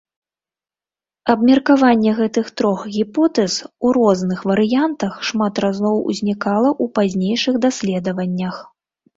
Абмеркаванне гэтых трох гіпотэз, у розных варыянтах, шмат разоў узнікала ў пазнейшых даследаваннях.